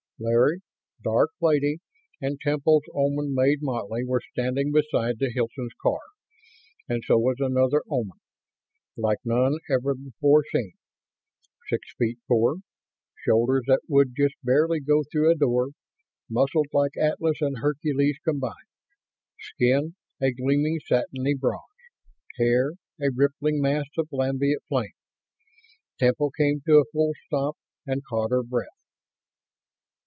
Larry, Dark Lady and Temple's Oman maid Moty were standing beside the Hilton's car and so was another Oman, like none ever before seen. Six feet four; shoulders that would just barely go through a door; muscled like Atlas and Hercules combined; skin a gleaming, satiny bronze; hair a rippling mass of lambent flame. Temple came to a full stop and caught her breath.